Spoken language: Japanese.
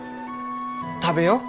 食べよう。